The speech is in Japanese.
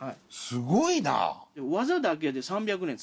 すごいな！え！